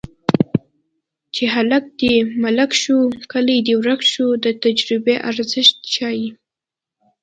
چې هلک دې ملک شو کلی دې ورک شو د تجربې ارزښت ښيي